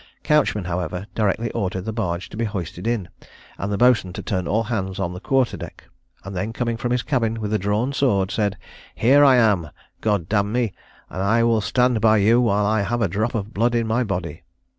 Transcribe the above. Couchman, however, directly ordered the barge to be hoisted in, and the boatswain to turn all hands on the quarter deck, and then coming from his cabin with a drawn sword, said, "Here I am! God d n me, I will stand by you while I have a drop of blood in my body!"